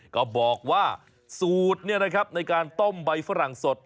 ก็บอกว่าสูตรเนี่ยนะครับในการต้มใบฝรั่งสด